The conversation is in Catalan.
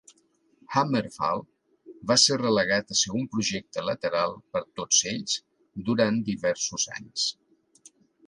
HammerFall va ser relegat a ser un projecte lateral per tots ells durant diversos anys.